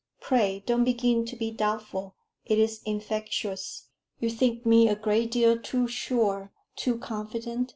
Pray don't begin to be doubtful; it is infectious." "You think me a great deal too sure too confident?"